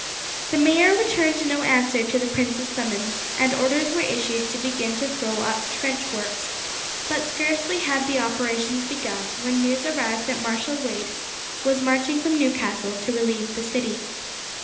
The mayor returned no answer to the prince's summons and orders were issued to begin to throw up trench works, but scarcely had the operations begun when news arrived that Marshal Wade was marching from Newcastle to relieve the city.